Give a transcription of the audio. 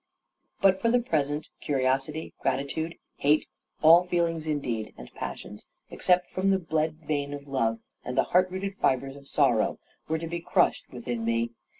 But for the present, curiosity, gratitude, hate, all feelings indeed and passions, except from the bled vein of love, and the heart rooted fibres of sorrow, were to be crushed within me.